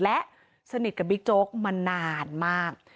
และสนิทกับบิ๊กโจ๊กมานานมาก